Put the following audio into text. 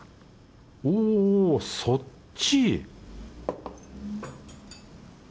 おぉそっち？